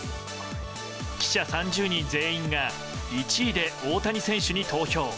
記者３０人全員が１位で大谷選手に投票。